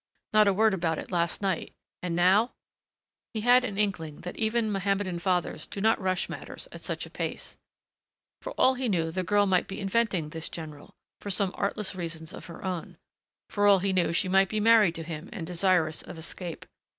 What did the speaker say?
Not a word about it last night. And now He had an inkling that even Mohammedan fathers do not rush matters at such a pace. For all he knew the girl might be inventing this general for some artless reasons of her own. For all he knew she might be married to him and desirous of escape.